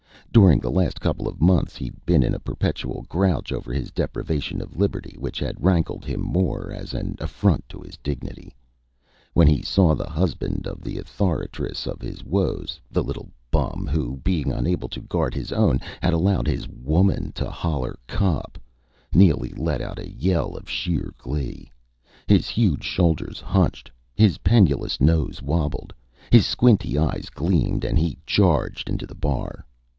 During the last couple of months he'd been in a perpetual grouch over his deprivation of liberty, which had rankled him more as an affront to his dignity. When he saw the husband of the authoress of his woes the little bum, who, being unable to guard his own, had allowed his woman to holler "Cop!" Neely let out a yell of sheer glee. His huge shoulders hunched, his pendulous nose wobbled, his squinty eyes gleamed and he charged into the bar.